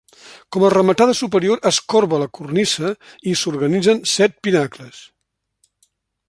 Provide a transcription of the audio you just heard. Com a rematada superior es corba la cornisa i s'organitzen set pinacles.